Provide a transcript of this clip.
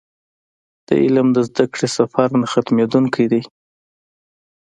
د علم د زده کړې سفر نه ختمېدونکی دی.